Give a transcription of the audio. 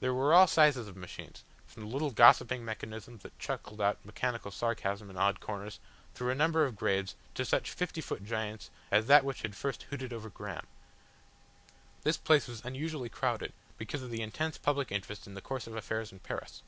There were all sizes of machines, from the little gossiping mechanisms that chuckled out mechanical sarcasm in odd corners, through a number of grades to such fifty foot giants as that which had first hooted over Graham. This place was unusually crowded, because of the intense public interest in the course of affairs in Paris.